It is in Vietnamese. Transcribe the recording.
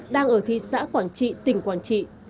đang ở thị xã quảng trị tỉnh quảng trị